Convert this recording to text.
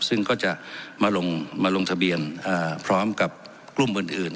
ซึ่งก็จะมาลงทะเบียนพร้อมกับกลุ่มอื่น